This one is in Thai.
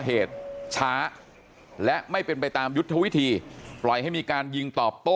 เหตุช้าและไม่เป็นไปตามยุทธวิธีปล่อยให้มีการยิงตอบโต้